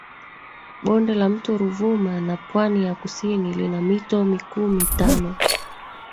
Bonde la Mto Ruvuma na Pwani ya Kusini lina mito mikuu mitano